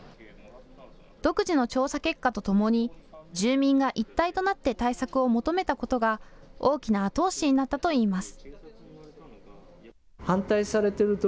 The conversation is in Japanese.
独自の調査結果とともに住民が一体となって対策を求めたことが大きな後押しになったといいます。